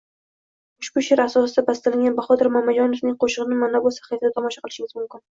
Ushbu sheʼr asosida bastalangan Bahodir Mamajonovning qoʻshigʻini mana bu sahifada tomosha qilishingiz mumkin.